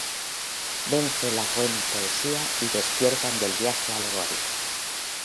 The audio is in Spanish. Vence la buena poesía y despiertan del viaje alegórico.